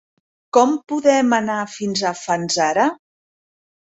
Com podem anar fins a Fanzara?